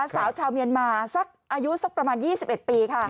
สาวชาวเมียนมาสักอายุสักประมาณ๒๑ปีค่ะ